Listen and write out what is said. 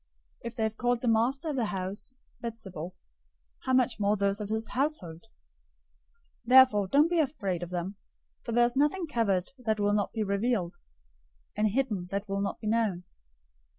If they have called the master of the house Beelzebul, how much more those of his household! 010:026 Therefore don't be afraid of them, for there is nothing covered that will not be revealed; and hidden that will not be known.